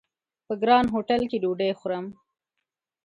په ګران هوټل کې ډوډۍ خورم!